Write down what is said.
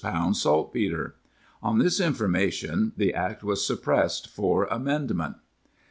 saltpetre. On this information ... the Act was suppressed for Amendment."